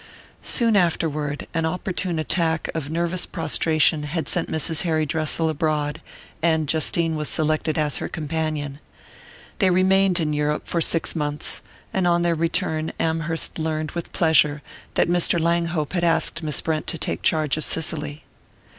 Soon afterward, an opportune attack of nervous prostration had sent Mrs. Harry Dressel abroad; and Justine was selected as her companion. They remained in Europe for six months; and on their return Amherst learned with pleasure that Mr. Langhope had asked Miss Brent to take charge of Cicely.